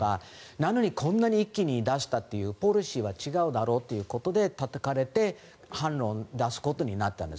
なのにこんなに一気に出したというポリシーが違うだろうということでたたかれて反論を出すことになったんです。